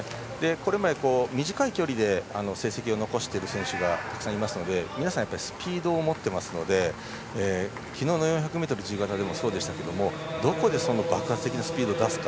これまで短い距離で成績を残している選手がたくさんいるので皆さん、スピードを持っていますので昨日の４００ｍ自由形でもそうでしたけどどこで爆発的なスピードを出すか。